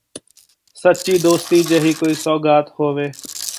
ਸੱਚੀ ਦੋਸਤੀ ਜਿਹੀ ਕੋਈ ਸੌਗਾਤ ਹੋਵੇ